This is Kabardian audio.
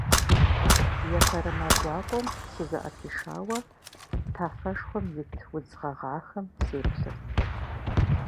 Епэрымэ гуакӏуэм сызыӏэпишауэ тафэшхуэм ит удз гъэгъахэм сеплъырт.